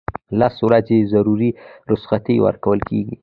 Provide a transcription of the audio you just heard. لس ورځې ضروري رخصتۍ ورکول کیږي.